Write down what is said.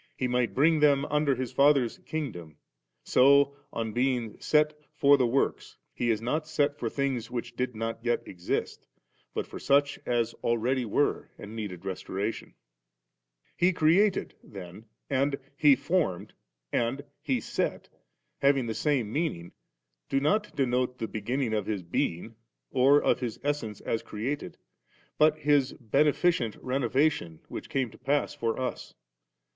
He might brin^ them under His Father's Kingdom, so, on bemg set ^for the works,' He is not set for things which did not yet exist, but for such as already wen and needed restoratioa 53. * He created ' then and ' He formed • and ^He set,' having the same meaning, do not •denote the beginning of His beings or ct His essence as created, but His beneficent reno vation which came to pass for us.